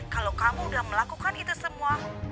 kalau kamu sudah melakukan itu semua